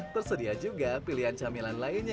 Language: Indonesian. tersedia juga pilihan camilan lainnya